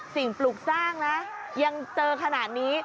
สิ่งปลูกสร้างนะยังเจอขนาดนี้